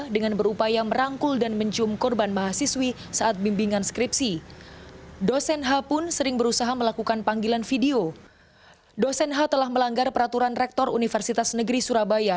dosen h telah melanggar peraturan rektor universitas negeri surabaya